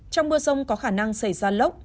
trong mưa rông có khả năng xảy ra lốc